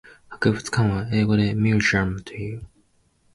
博物館は英語でミュージアムという。